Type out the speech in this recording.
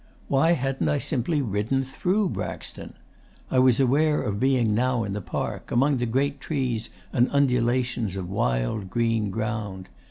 Why hadn't I simply ridden THROUGH Braxton? I was aware of being now in the park, among great trees and undulations of wild green ground.